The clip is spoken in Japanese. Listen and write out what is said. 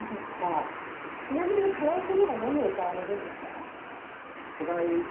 ちなみにカラオケでは何を歌われるんですか？